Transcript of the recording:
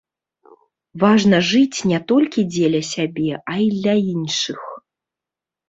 Важна жыць не толькі дзеля сябе, а і для іншых.